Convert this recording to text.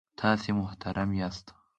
تاسې محترم یاست.